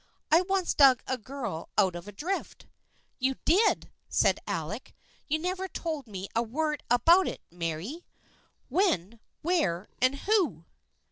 I once dug a girl out of a drift." " You did !" said Alec. " You never told me a word about it, Merry ! When, where and who?"